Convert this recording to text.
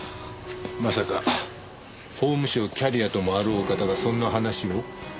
まさか法務省キャリアともあろうお方がそんな話を？